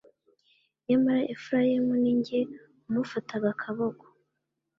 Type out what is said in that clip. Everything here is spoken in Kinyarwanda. Nyamara Efurayimu, ni jye wamufataga akaboko,